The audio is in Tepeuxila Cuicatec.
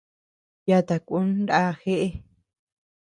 Yata kun ndá jeʼë.